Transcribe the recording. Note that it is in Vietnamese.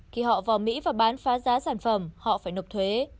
khi họ vào mỹ và bán phá giá sản phẩm họ phải nộp thuế